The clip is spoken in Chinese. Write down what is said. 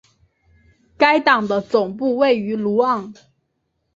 该党的总部位于鲁昂。